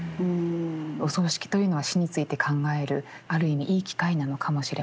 お葬式というのは死について考えるある意味いい機会なのかもしれません。